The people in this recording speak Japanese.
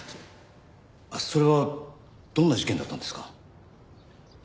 それはどんな事件だったんですか？